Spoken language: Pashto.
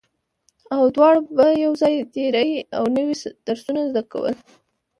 او دواړو به يو ځای تېر او نوي درسونه زده کول